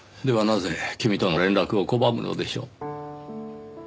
ではなぜ君との連絡を拒むのでしょう？